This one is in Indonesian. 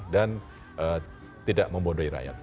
dan tidak membodohi rakyat